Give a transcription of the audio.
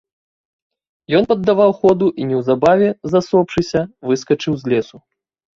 Ён паддаваў ходу і неўзабаве, засопшыся, выскачыў з лесу.